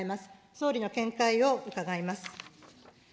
総理の見解を伺います。